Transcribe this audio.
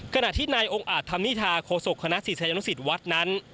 ขณะที่นายองค์อาจทำนิทาโคศกคณะศิริสัยนกศิษย์วัดนั้น